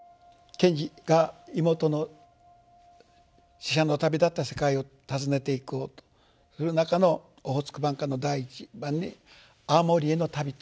賢治が妹の死者の旅立った世界を訪ねていこうとする中の「オホーツク挽歌」の第一番に青森への旅という「青森挽歌」。